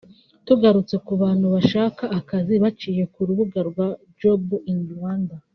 Tugarutse ku bantu bashaka akazi baciye ku rubuga rwa Job in Rwanda